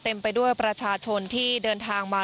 ไปด้วยประชาชนที่เดินทางมา